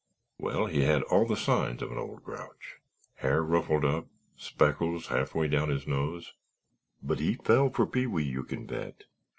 "Well, he had all the signs of an old grouch, hair ruffled up, spectacles half way down his nose—but he fell for Pee wee, you can bet.